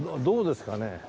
どうですかね？